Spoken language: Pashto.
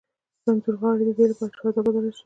رنځور غاړي د دې لپاره چې فضا بدله شي.